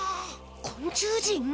昆虫人？